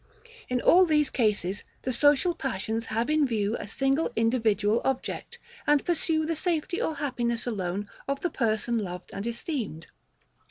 In all these cases the social passions have in view a single individual object, and pursue the safety or happiness alone of the person loved and esteemed.